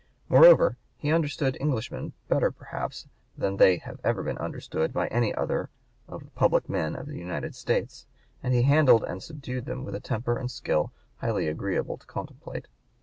Moreover he understood Englishmen better perhaps than they have ever been understood by any other of the public men of the United States, and he handled and subdued them with a temper and skill highly agreeable to contemplate.